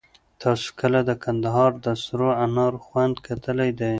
تاسو کله د کندهار د سرو انار خوند کتلی دی؟